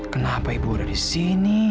kenapa ibu udah disini